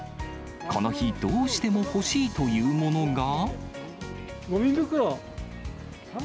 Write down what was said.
この日、どうしても欲しいというものが。